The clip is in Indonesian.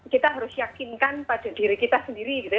kita harus yakinkan pada diri kita sendiri gitu ya